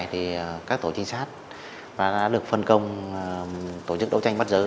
thì các tổ trinh sát đã được phân công tổ chức đấu tranh bắt giữ